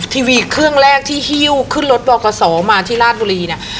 ทีวีเครื่องแรกที่ฮิ้วขึ้นรถบกศมาที่ราชบุรีเนี่ย